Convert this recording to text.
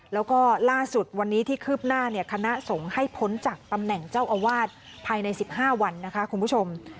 แล้วก็ล่าสุดวันนี้ที่คืบหน้าคณะสงฆ์ให้พ้นจากตำแหน่งเจ้าอาวาสภายใน๑๕วันนะคะคุณผู้ชม